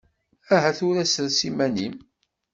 Aha tura sres iman-im!